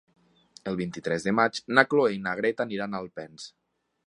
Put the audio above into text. El vint-i-tres de maig na Cloè i na Greta aniran a Alpens.